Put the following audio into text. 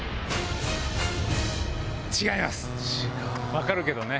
分かるけどね。